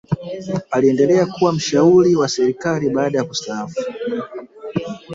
aliendelea kuwa mshauli wa serikali baada ya kustaafu